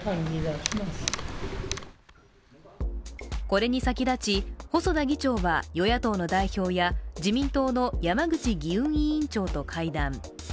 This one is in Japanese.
これに先立ち、細田議長は与野党の代表や自民党の山口議運委員長と会談。